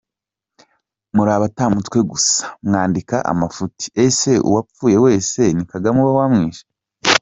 Murabata mutwe gusa mwandika amafuti ese uwapfuye wese ni Kagame uba wamwishe ?